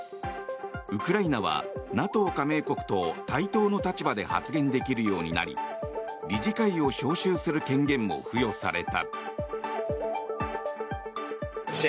ウクライナはＮＡＴＯ加盟国と対等の立場で発言できるようになり理事会を招集する権限も付与された。